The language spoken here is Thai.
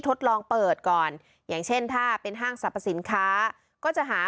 ทดลองเปิดก่อนอย่างเช่นถ้าเป็นห้างสรรพสินค้าก็จะหา